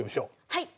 はい。